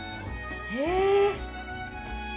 へえ。